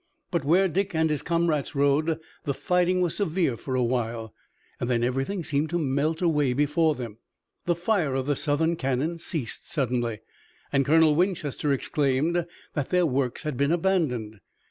But where Dick and his comrades rode the fighting was severe for a while. Then everything seemed to melt away before them. The fire of the Southern cannon ceased suddenly, and Colonel Winchester exclaimed that their works had been abandoned.